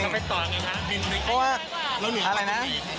เพราะว่าอะไรนะ